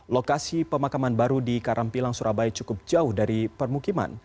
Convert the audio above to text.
lokasi pemakaman baru di karampilang surabaya cukup jauh dari permukiman